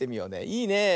いいねえ。